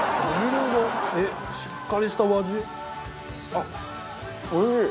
あっおいしい！